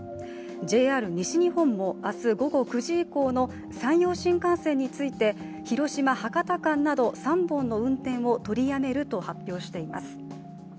ＪＲ西日本も明日午後９時以降の山陽新幹線について広島−博多間など３本の運転を取りやめると発表しています。